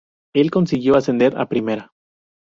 El equipo consiguió ascender a Primera.